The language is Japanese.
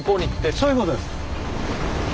そういうことです。